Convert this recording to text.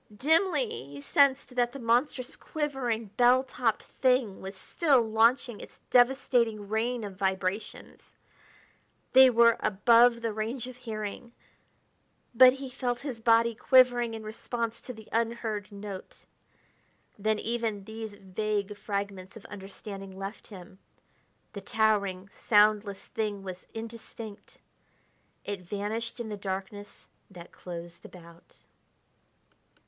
Dimly he sensed that the monstrous, quivering, bell topped thing was still launching its devastating rain of vibrations; they were above the range of hearing; but he felt his body quivering in response to the unheard note. Then even these vague fragments of understanding left him. The towering, soundless thing was indistinct ... it vanished in the darkness that closed about....